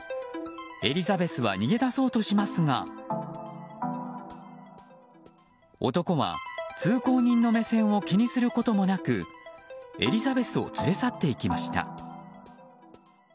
エリザベスは逃げ出そうとしますが男は通行人の目線を気にすることもなくエリザベスを連れ去っていきました。